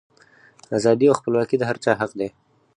ازادي او خپلواکي د هر چا حق دی.